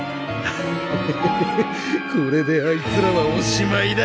ヒヒヒヒヒこれであいつらはおしまいだ。